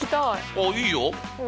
ああいいよ？